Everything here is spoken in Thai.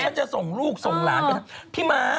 จะส่งลูกส่งหลานไปทางพี่ม้า